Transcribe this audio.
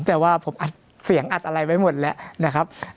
แต่ว่าผมอัดเสียงอัดอะไรไว้หมดแล้วนะครับ